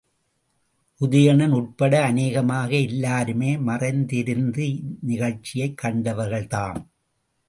உதயணன் உட்பட அநேகமாக எல்லோருமே மறைந்திருந்து இந் நிகழ்ச்சியைக் கண்டவர்கள்தாம்.